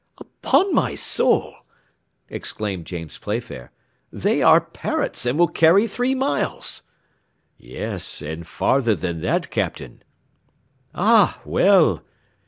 "Upon my soul!" exclaimed James Playfair, "they are Parrott's, and will carry three miles." "Yes, and farther than that, Captain." "Ah, well!